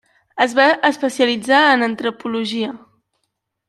Es va especialitzar en antropologia.